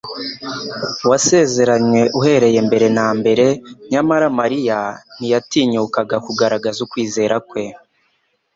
wasezeranywe uhereye mbere na mbere, nyamara Mariya ntiyatinyukaga kugaragaza ukwizera kwe.